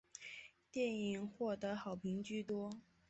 电影获得好评居多。